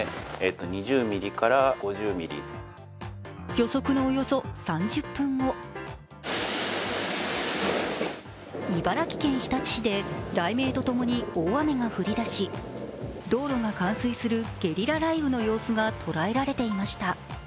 予測のおよそ３０分後茨城県日立市で雷鳴と共に大雨が降り出し、道路が冠水するゲリラ雷雨の様子が捉えられていました。